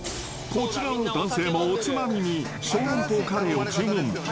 こちらの男性も、おつまみに小籠包カレーを注文。